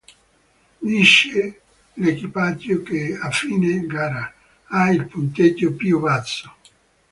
Vince l'equipaggio che, a fine gara, ha il punteggio più basso.